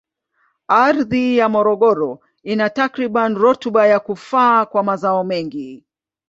Ardhi ya Morogoro ina takribani rutuba ya kufaa kwa mazao mengi.